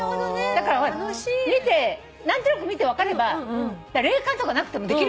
だから何となく見て分かれば霊感とかなくてもできるわけ。